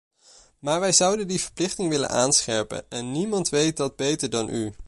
Maar wij zouden die verplichting willen aanscherpen en niemand weet dat beter dan u.